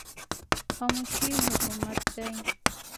خاموشي حکمت دی